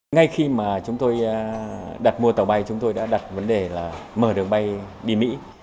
ngay khi mà chúng tôi đặt mua tàu bay chúng tôi đã đặt vấn đề là mở đường bay đi mỹ